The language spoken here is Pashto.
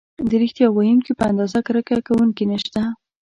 د ریښتیا ویونکي په اندازه کرکه کوونکي نشته.